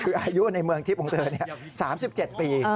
คืออายุในเมืองทิพย์ของเธอเนี่ยสามสิบเจ็ดปีเออ